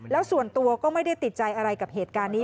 แล้วส่วนตัวก็ไม่ได้ติดใจอะไรกับเหตุการณ์นี้